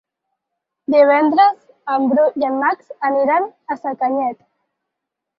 Divendres en Bru i en Max aniran a Sacanyet.